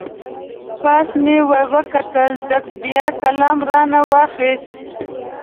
پاس مې ور وکتل، ده بیا قلم را نه واخست.